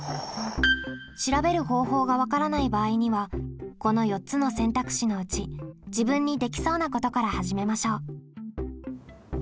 調べる方法が分からない場合にはこの４つの選択肢のうち自分にできそうなことから始めましょう。